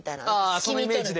ああそのイメージで。